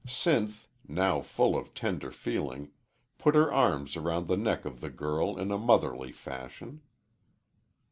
Sinth, now full of tender feeling, put her arms around the neck of the girl in a motherly fashion.